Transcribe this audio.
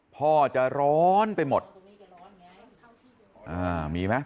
พ่อจะร้อนไปหมดอ่ามีไหม